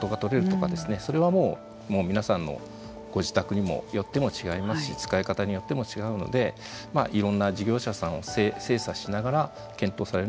それはもう皆さんのご自宅によっても違いますし使い方によっても違うのでまあいろんな事業者さんを精査しながら検討されるのがよいかと思います。